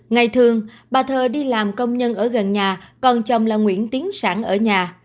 ngày thường bà thơ đi làm công nhân ở gần nhà còn chồng là nguyễn tiến sản ở nhà